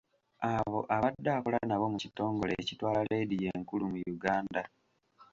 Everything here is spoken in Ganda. Abo abadde akola nabo mu kitongole ekitwala leediyo enkulu mu Uganda.